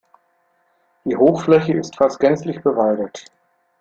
Die Hochfläche ist fast gänzlich bewaldet.